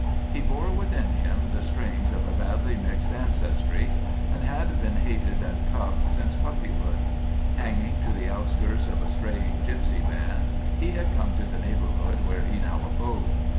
He bore within him the strains of a badly mixed ancestry, and had been hated and cuffed since puppyhood. Hanging to the outskirts of a straying gypsy band, he had come to the neighborhood where he now abode.